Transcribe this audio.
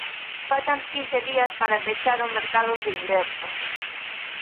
Faltan quince días para pechar o mercado de inverno.